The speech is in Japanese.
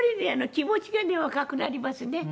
気持ちがね若くなりますね。